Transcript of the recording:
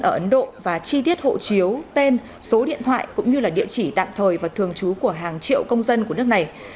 ở ấn độ và chi tiết hộ chiếu tên số điện thoại cũng như là địa chỉ tạm thời và thường trú của hàng triệu công dân của nước này